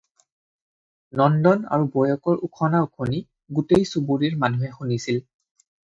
নন্দন আৰু বৌয়েকৰ উখনা-উখনি গোটেই চুবুৰীৰ মানুহে শুনিছিল।